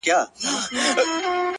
خو ژوند حتمي ستا له وجوده ملغلري غواړي؛